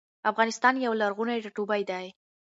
افغانستان يو لرغوني ټاټوبي دي